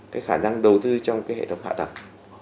cái khả năng đầu tư trong cái hệ thống hạ tầng